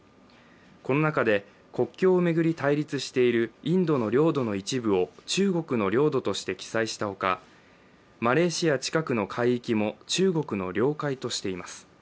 この中で、国境を巡り対立しているインドの領土の一部を中国の領土として記載したほか、マレーシア近くの海域も中国の領海としています。